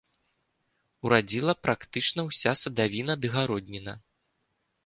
Урадзіла практычна ўся садавіна ды гародніна.